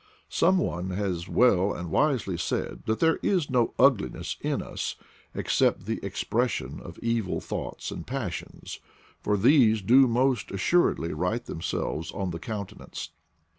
, Some one has well and wisely said that there is no ugliness in us except the expression of evil thoughts and passions; for these do most assuredly write them selves on the countenance.